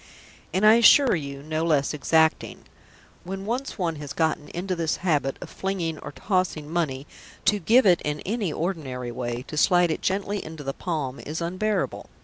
And, I assure you, no less exacting. When once one has got into this habit of "flinging" or "tossing" money, to give it in any ordinary way, to slide it gently into the palm, is unbearable.